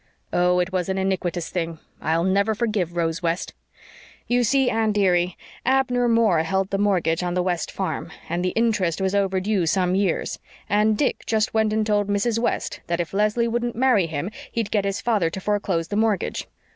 "Oh, it was an iniquitous thing! I'll never forgive Rose West. You see, dearie, Abner Moore held the mortgage on the West farm, and the interest was overdue some years, and Dick just went and told Mrs. West that if Leslie wouldn't marry him he'd get his father to foreclose the mortgage.